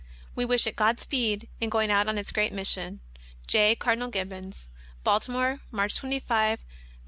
We wish it God speed in going out on its great mission. J. CARD. GIBBON?' Baltimore, March 25, 1906. CONTENTS.